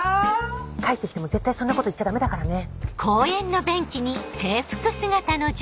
帰ってきても絶対そんなこと言っちゃダメだからね。